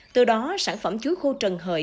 từ đó sản phẩm chuối khô trần hợi